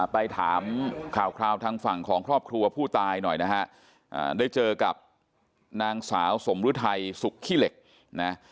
ไปถามข่าวทางฝั่งของครอบครัวผู้ตายหน่อยนะฮะได้เจอกับนางสาวสมฤทัยสุขขี้เหล็กนะ